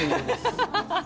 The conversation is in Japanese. ハハハハハ！